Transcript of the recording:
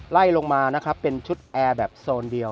ไล่ลงมานะครับเป็นชุดแอร์แบบโซนเดียว